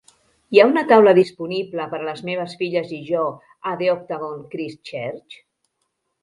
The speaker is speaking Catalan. Hi ha una taula disponible per a les meves filles i jo a The Octagon, Christchurch?